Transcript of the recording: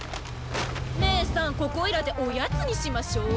ねえさんここいらでおやつにしましょう。